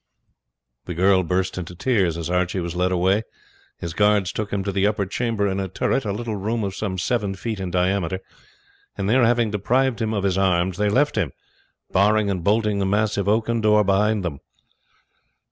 The girl burst into tears as Archie was led away. His guards took him to the upper chamber in a turret, a little room of some seven feet in diameter, and there, having deprived him of his arms, they left him, barring and bolting the massive oaken door behind them.